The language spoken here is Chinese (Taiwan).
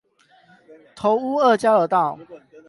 頭屋二交流道